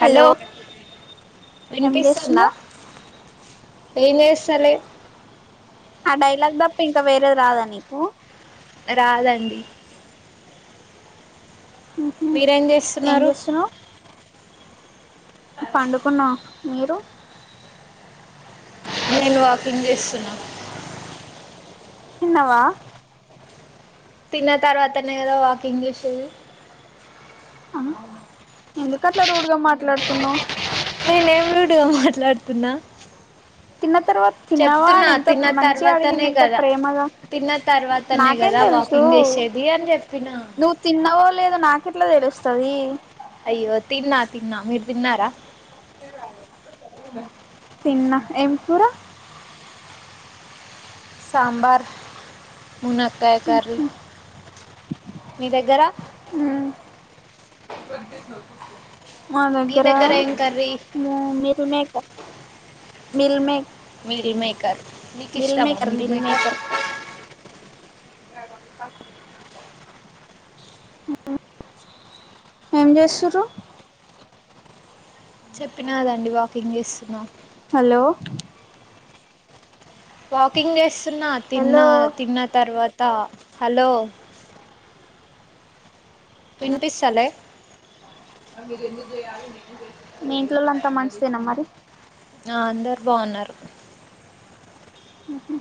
Hello ఏం విన్పిస్తుందా చేస్తున్నావ్ ఏం చేస్తలే ఆ డైలాగ్ తప్ప ఇంక వేరేది రాదా నీకు రాదండి ఉహు మీరేం ఏం చేస్తున్నారు పండుకున్నాం మీరు నేను వాకింగ్ చేస్తున్నా తిన్నవా తిన్న తర్వాతనే ఏదో వాకింగ్ చేసేది ఆ ఎందుకట్లా రుడ్గా మాట్లాడుతున్నావ్ నేనేం రూడ్గ మాట్లాడుతున్నా తిన్న తర్వాత తిన్నావా చెప్తున్నా అని ఎంత తిన్న మంచిగా అడిగింది తర్వాతనే ఎంత కదా ప్రేమగా తిన్న తర్వాతనే నాకేం కదా తెలుసు వాకింగ్ చేసేది అని చెప్పిన నువ్వు తిన్నవో లేదు నాకు ఎట్లా తెలు స్తది అయ్యో తిన్నా తిన్నా మీరు తిన్నారా తిన్నా ఏం కూర సాంబార్ మున్నకాయ్ కర్రీ మీ దగ్గర మ్ మా మీ దగ్గర ఏం curry meal maker meal make meal maker మీకు ఇష్టమా మిల్మేకర్ మీల్ మేకర్ మిల్మేకర్ ఏం చేసుర్రు చెప్పిన కదండి వాకింగ్ చేస్తున్నా హలో వాకింగ్ చేస్తున్నా తిన్న హలో తిన్న తర్వా త హలో విన్పిస్తలే మీ ఇంట్లో లంతా మంచిదేనా మరి ఆ అందరు బావున్నారు మ్ హు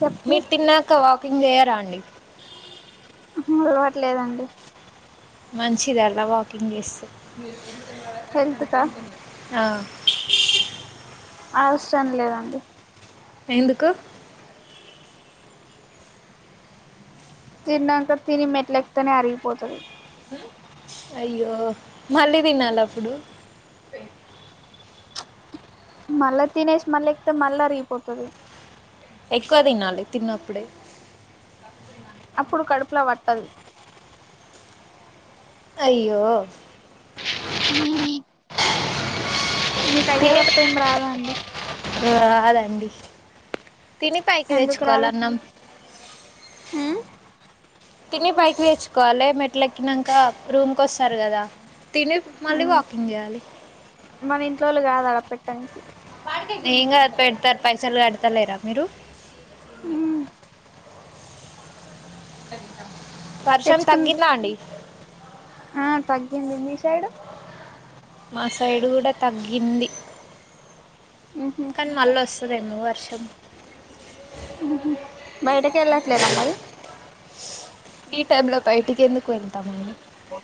చెప్పు మీరు తిన్నాక వాకింగ్ జేయారా అండి అలవట్లేదండి మంచిది అలా వాకింగ్ చేస్తే హెల్త్ కా ఆ, అవసరం లేదండి ఎందుకు తిన్నాక తిని మెట్లెక్తేనే అరిగిపోతది అయ్యో మళ్ళీ తినాలప్పుడు పేన్ మళ్ళా తినేసి మళ్ళీ ఎక్తే మళ్ళా అరిగిపోతది ఎక్కువ తినాలి తిన్నప్పుడే అప్పుడు కడుపులో పట్టది అయ్యో మ్ మీకు అయ్యే తప్ప ఏం రాదా అండి రాదండి తిని పైకి ఎందుకు తెచ్చుకోవాల రాదు అన్నం ఉమ్ తిని పైకి తెచ్చుకోవాలి మెట్లేకినంక రూమ్కి వస్ సర్ గదా తిని మళ్ళీ వాకింగ్ చేయాలి మన ఇంట్లోళ్ళు కాదు ఆడ పెట్టనికి ఏం గాదు పెడ్తారు పైసలు కడతలేరా మీరు [unintelligible] వర్షం తెచ్చుకున్ తగ్గిందా అండి ఆ తగ్గింది మీ సైడు మా సైడు కూడా తగ్గింది కానీ మళ్ళ వస్తుందేమో వర్షం ఉమ్ హు బయటకి వెళ్ళట్లేరా మరి ఈ టైమ్ లో బయటికి ఎందుకు వెళ్తామండి ఓ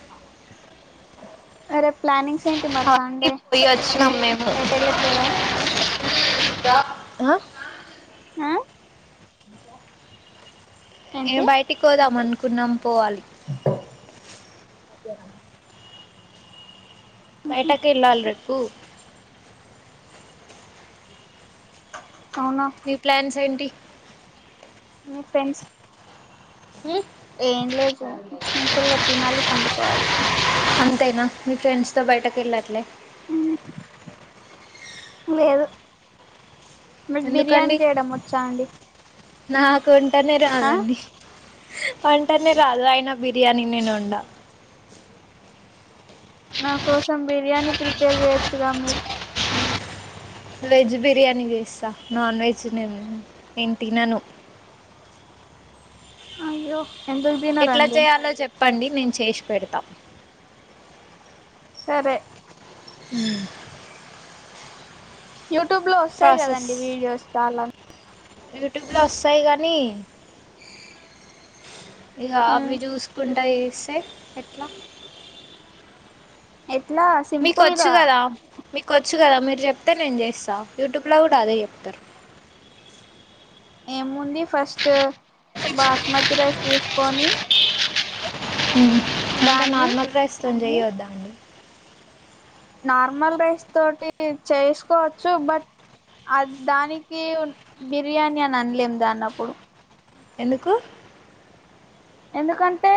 ఆ రేప్ ప్లానింగ్స్ ఏంటి మరి ఆల్రెడీ సండే పోయి వచ్చినాం మేము ఎటు యేళ్లట్లేదా [unintelligible] ఆ ఆ ఏం ఏంటి బయటికి పోదాం అనుకున్నాం పోవాలి [unintelligible] బయటకెళ్ళలి రేపు అవునా నీ ప్లాన్స్ ఏంటి మీ ఫ్రెండ్స్ ఉం? ఏం లేదు సిప్ సింపుల్ గా తినాలి పండుకోవాలి అంతేనా మీ ఫ్రెండ్స్ తో బయటకి వెళ్ళట్లే ఉమ్ లేదు మీకు బిర్యానీ ఎందుకండి చేయడం వచ్చా అండి నాకు వంటనే ఆ రాదండి వంటనే రాదు అయినా బిర్యానీ నేను వండా నా కోసం బిర్యానీ ప్రిపేర్ చేయొచ్చుగా మీమ్ వెజ్ బిర్యానీ చేస్తా నాన్ వెజ్ నేన్ నేను తినను అయో ఎట్లా చేయాలో చెప్పండి నేను చేసి పెడతా సరే ఉమ్ యూట్యూబ్ లో వస్తాయి ప్రాసెస్ కదండి వీడియోస్ ఫాల యూట్యూబ్లో వస్తాయి కానీ ఇక మ్, అవి చూసుకుంటా చేస్తే ఎట్లా ఎట్లా సింపుల్ మీకోచ్చు గా కదా మీకు కొచ్ చ్చు కదా మీరు చెప్తే నేను చేస్తా యూట్యూబ్లో కూడా అదే చెప్తారు ఏముంది ఫస్ట్ బాస్మతి రైస్ తీసుకొని ఉమ్ హు అంటే దాన్ని నార్మల్ రైస్ తోని చేయద్దా అండి నార్మల్ రైస్ తోటి చేసుకోవచ్చు బట్ అ దానికి బిర్యానీ అని అనలేం దాన్నప్పుడు ఎందుకు ఎందుకంటే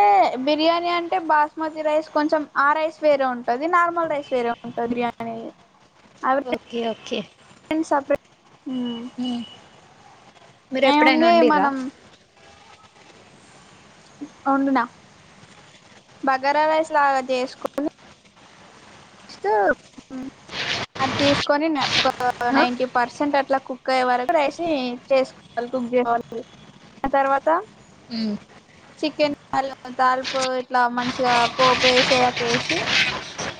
బిర్యానీ అంటే బాస్మతి రైస్ కొంచెం ఆ రైస్ వేరే ఉంటది నార్మల్ రైస్ వేరే ఉంటాది బిర్యానీ అవి ఓకే ఓకే రెండు సపరేట్ ఉమ్ మీరు ఎప్పుడైనా ఏముంది వండిరా మనం వండిన బగార రైస్లా చేసుకొని స్తు అది తీసుకొని ఒక ఆ? నైంటీ పర్సెంట్ అట్ ట్లా కుక్కా ఎవరు రేసి [unintelligible] కుక్ చేసుకోవాలి ఆ తర్వాత ఉ చికెన్ తాలపు ఇట్లా మంచిగా పోపు వేసేలా వేసి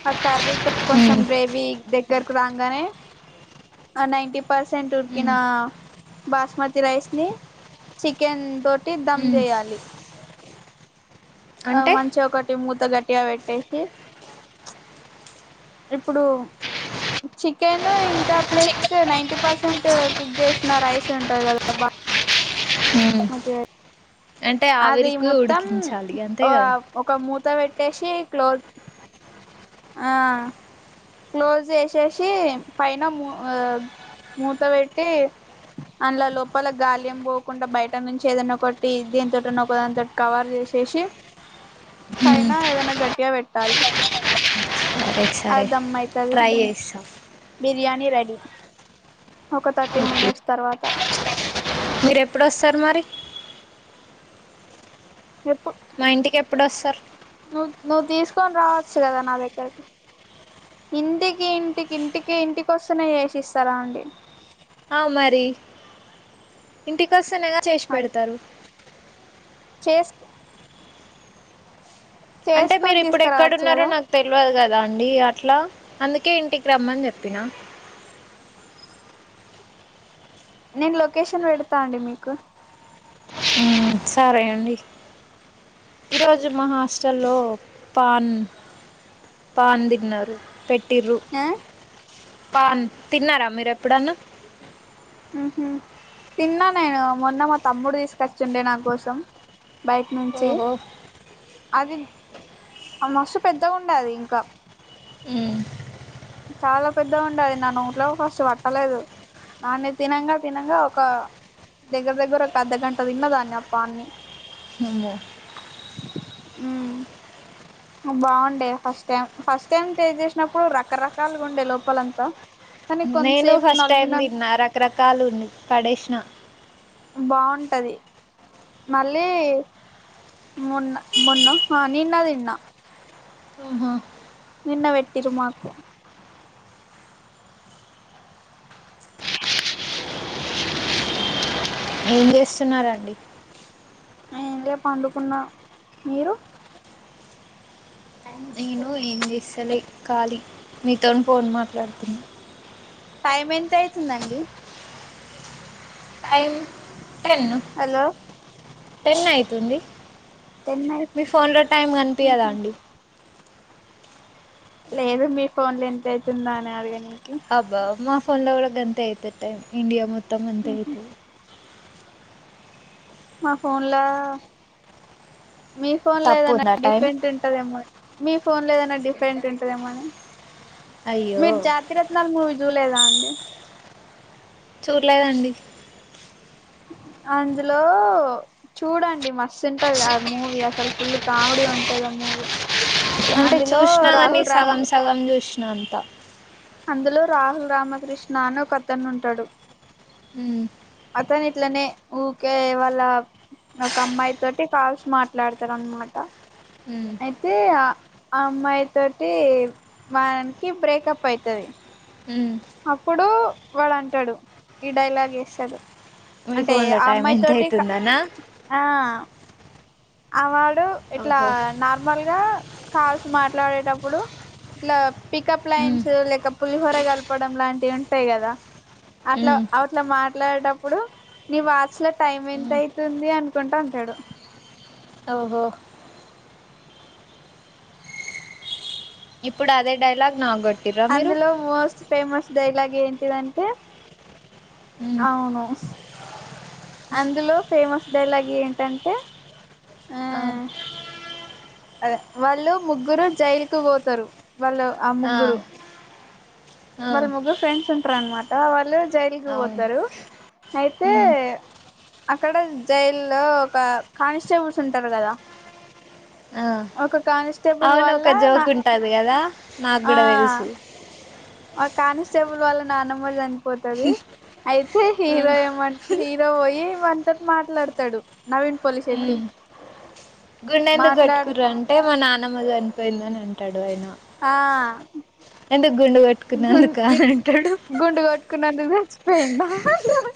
ఆ కర్రీతో కొంచెం ఉమ్, గ్రేవీ దగ్గరకు రాంగానే ఆ నన్టీ పర్సెంట్ ఉమ్, ఉడ్కినా బాస్మతి రైస్ ని చికెన్ తోటి దమ్ ఉమ్. చేయాలి ఆ అంటే మంచిగా ఒకటి మూత గట్టిగా పెట్టేసి ఇప్పుడు చికెన్ ఇంకా ప్లస్ నైంటీ పర్సెంట్ కుక్ చేసిన రైస్ ఉంటంది కదా బా ఉమ్. అంటే అదే ఆవిరికి మొత్తం ఉడికించాలి అంతే కదా ఒక మూత పెట్టి పెట్టేసి క్లోత్ ఆ క్లోజ్ చేసేసి పైన మూ మూత పెట్టి ఆన్ల లోపల గాలి ఏం పోకుండా బయట దాని మీద నుంచి ఏదైనా ఒకటి దీని తటోన్న ఒక దాని తోటి కవర్ చేసేసి పైన ఏదైనా గట్టిగా పెట్టాలి సరే సరే అది దమ్ అయితది ట్రై చేస్తా బిర్యానీ రెడీ ఒక థర్టీ మినిట్స్ తర్వాత మీరు ఎప్పుడొస్తారు మరి మా ఇంటికి ఎప్పుడుస్తారు నువ్ నువ్వు తీసుకొని రావచ్చు కదా నా దగ్గరకి ఇంటికి ఇంటికి ఇంటికి ఇంటికిస్తనే చేసిస్తారా అండి ఆ మరి ఇంటికోస్తేనే చేసి మరి పెడతారు చేస్ అంటే మీరు చేసుకొని ఇప్పుడు తీసుకురావచ్చు ఎక్కడున్నారో కదా నాకు తెలువదు కద అండి అట్లా అందుకే ఇంటికి రమ్మని చెప్పినా నేను లొకేషన్ పెడతా అండి మీకు ఉమ్ సరే అండి ఈ రోజు మా హాస్టల్లో పాన్ పాన్ తిన్నారు పేటిర్రు ఆ పాన్ తిన్నారా మీరు ఎప్పుడన్నా హుహు తిన్నా నేను మొన్న మా తమ్ముడు తీసుకొచ్చిండే నా కోసం బయట నుంచి ఓహో అది మస్తు పెద్దగా ఉంటది అది ఇంకా మ్మ్, చాలా పెద్దగా ఉండే అది నా నోట్లో ఫస్ట్ పట్టలేదు దన్నీ తినంగా తినంగా ఒక దగ్గర దగ్గర ఒక అర్ధగంట తిన్నదాన్ని ఆ పాన్ని అమ్మో ఉమ్ బాగుండే first time first time taste చేసినప్పుడు రకరకాలుగా ఉండే లోపలంతా కానీ నేను కొంతసేపు ఫస్ట్ టైం నలిమిన తిన్నా రకరకాలు ఉంది పడేసిన బాగుంటది మళ్ళీ మొన్న మొన్న ఆ నిన్న తిన్న ఆహా నిన్న పెట్టిర్రు మాకు ఏం చేస్తున్నారండి ఏం లే పండుకున్న మీరు టైం చూసుకో నేను ఏం చేస్తలే ఖాళీ మీతోనీ ఫోన్ మాట్లాడుతున్న టైం ఎంత అయితుందండి టైం టెను హలో టెన్ అయితుంది టెన్ మీ అయి ఫోన్ లో టైమ్ కనిపియ్యదా అండి లేదు మీ ఫోన్ లో ఎంత అయితుందా అని అడగనికి అబ్బా మా ఫోన్ లో కూడా గంతే అయితది టైమ్ ఇండియా మొత్తం అంతే అయితది మా ఫోన్ లా మీ ఫోన్ లో తప్పు ఏదన్నా ఉందా టైం డిఫరెంట్ ఉంటదేమో మీ ఫోన్ లో ఏదైనా డిఫరెంట్ ఉంటదేమో అని అయ్యో మీరు జాతిరత్నాలు మూవీ చుడలేదా అండి చూడలేదండి [inaudible] అందులో చూడండి మస్తు ఉంటది అ మూవీ అసలు ఫుల్ కామెడీ ఉంటది ఆ మూవీ [inaudible] అంటే చూసినా కానీ రాహుల్ రామ్ సగం సగం చూసినా అంత అందులో రాహుల్ రామకృష్ణ అని ఒకతను ఉంటాడు ఉమ్ అతను ఇట్లనే ఊకే వాళ్ళ ఒక అమ్మాయి తోటి కాల్స్ మాట్లాడుతాడు అన్నమాట ఉమ్, అయితే ఆ ఆ అమ్మాయి తోటి వానికి బ్రేకప్ అయితది ఉమ్. అప్పుడు వాడు అంటాడు ఈ డైలాగ్ వేస్తాడు మీ అంటే ఫోన్లో ఆ టైం అమ్మాయి ఎంత తోటి అవుతుందనా ఆ ఆ వాడు ఇట్లా ఓహో నార్మల్గా కాల్స్ మాట్లాడేటప్పుడు ఇట్లా పికప్ ఉమ్, లైన్స్ లేక పులిహోర కలపడం లాంటివి ఉంటాయి కదా అట్లా ఉమ్, అట్లా మాట్లాడేటప్పుడు నీ వాచ్ లో టైం ఎంత ఉమ్. అయితుంది అనుకుంటా ఉంటాడు ఓహో ఇప్పుడు అదే డైలాగ్ నా గోట్టి అందులో మోస్ట్ ఫేమస్ డైలాగ్ ఏంటిదంటే ఉమ్, అవును అందులో ఫేమస్ డైలాగ్ ఏంటంటే ఆ అదే వాళ్ళు ముగ్గురు జైలుకు పోతారు వాళ్ళు ఆ ముగ్గురు ఆ, వాళ్ళు ముగ్గురు ఫ్రెండ్స్ ఉంటారు అన్నమాట వాళ్ళు జైలుకి అవును పోతారు అయితే ఉమ్, అక్కడ జైల్లో ఒక కానిస్టేబుల్స్ ఉంటారు కదా ఆ ఒక కానిస్టేబుల్ అవును వల్ల ఒక నా జోక్ ఉంటది కదా నాకు ఆ కూడా తెలుసు ఆ కానిస్టేబుల్ వాళ్ళ నాన్నమ్మ చనిపోతది అయితే ఉమ్, హీరో ఏమంట హీరో పోయి వాని తోటి మాట్లాడతాడు నవీన్ పొల్లిశెట్టి ఉమ్, గుండె ఎందుకు కొట్టుకురు అంటే మా నాన్నమ్మ చనిపోయిందని అంటాడు ఆయన ఆ ఎందుకు గుండు గుం కొట్టుకున్నందుకు అని అంటాడు గుండు కొట్టుకున్నారు అందుకు చచ్చిపోయిందా అంటారు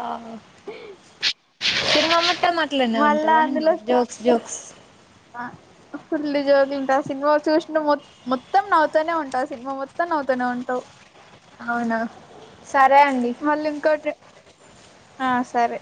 ఆ, సినిమా మొత్తం అట్లానే ఉంటదా అండి జోక్స్ జోక్స్ వాఆ ఫుల్లీ జోకులు ఉంటాయి ఆ సినిమా చూసిన మొత్త మొత్తం నవ్వుతనే ఉంటావు ఆ సినిమా మొత్తం నవ్వుతనే ఉంటావు అవునా సరే అండి మళ్ళీ ఇంకోటి ఆ సరే